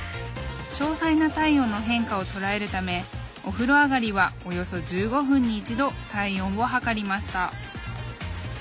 詳細な体温の変化を捉えるためお風呂上がりはおよそ１５分に一度体温を測りました。